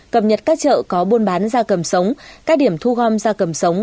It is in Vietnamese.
cập nhật các chợ có buôn bán da cầm sống các điểm thu gom da cầm sống